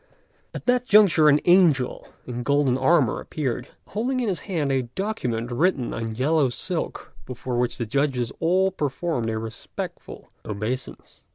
At that juncture an angel in golden armour appeared, holding in his hand a document written on yellow silk, before which the judges all performed a respectful obeisance.